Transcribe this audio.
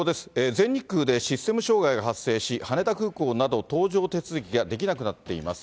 全日空でシステム障害が発生し、羽田空港など、搭乗手続きができなくなっています。